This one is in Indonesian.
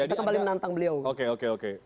kita kembali menantang beliau oke oke